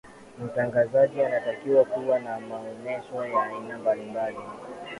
mtangazaji anatakiwa kuwa na maonesho ya aina mbalimbali